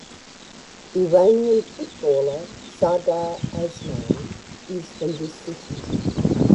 Iranian footballer Sardar Azmoun is from this city.